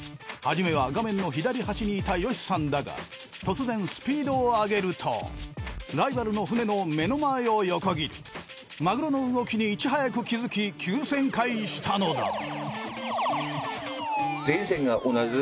初めは画面の左端にいたヨシさんだが突然スピードを上げるとライバルの船の目の前を横切りマグロの動きにいち早く気付き急旋回したのだ。